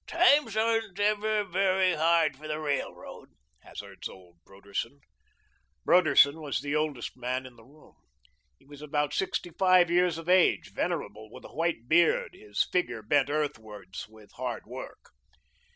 "Times aren't ever very hard for the railroad," hazards old Broderson. Broderson was the oldest man in the room. He was about sixty five years of age, venerable, with a white beard, his figure bent earthwards with hard work.